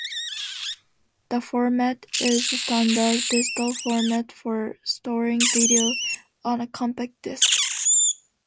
The format is a standard digital format for storing video on a compact disc.